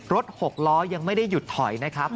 หกล้อยังไม่ได้หยุดถอยนะครับ